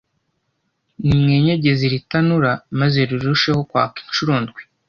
nimwenyegeze iri tanura maze rirusheho kwaka incuro ndwi!